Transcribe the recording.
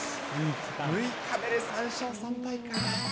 ６日目で３勝３敗か。